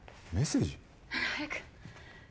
早く。